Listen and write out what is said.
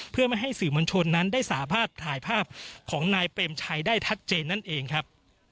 เพื่อไม่ให้สื่อมวลชนนั้นได้สามารถถ่ายภาพของนายเปรมชัยได้ชัดเจนนั่นเองครับ